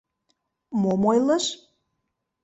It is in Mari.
Мом ойлыш?..